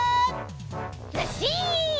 ずっしん！